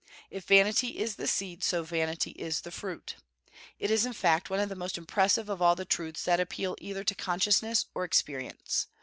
If vanity is the seed, so vanity is the fruit. It is, in fact, one of the most impressive of all the truths that appeal either to consciousness or experience.